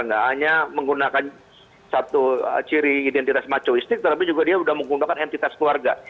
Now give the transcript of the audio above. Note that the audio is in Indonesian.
tidak hanya menggunakan satu ciri identitas macoistik tapi juga dia sudah menggunakan entitas keluarga